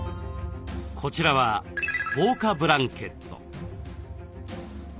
こっちは防火ブランケット。